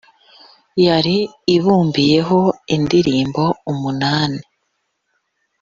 yari ibumbiyeho indirimbo umunani